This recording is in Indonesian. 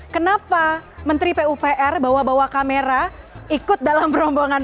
kenapa menteri pupr bawa bawa kamera ikut dalam rombongan